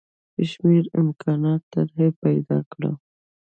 شمېر امکاناتو طرح پیدا کړه.